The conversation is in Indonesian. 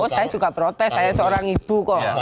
saya juga protes saya seorang ibu kok